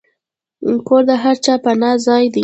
کور د هر چا پناه ځای دی.